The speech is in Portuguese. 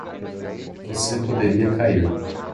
Você poderia cair